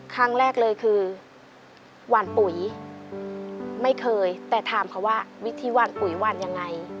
ครั้งแรกเลยคือหวานปุ๋ยไม่เคยแต่ถามเขาว่าวิธีหวานปุ๋ยหวานยังไง